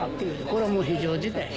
これはもう非常事態やな。